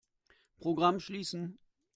Programm schließen.